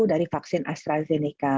dari vaksin astrazeneca